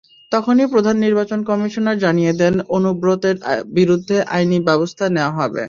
তখনই প্রধান নির্বাচন কমিশনার জানিয়ে দেন, অনুব্রতের বিরুদ্ধে আইনি ব্যবস্থা নেওয়া হবে।